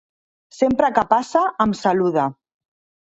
Sempre que passa em saluda.